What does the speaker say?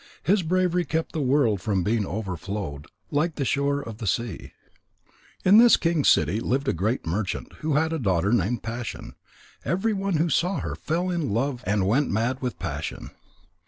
His bravery kept the world from being overflowed, like the shore of the sea. In this king's city lived a great merchant, who had a daughter named Passion. Everyone who saw her fell in love and went mad with passion.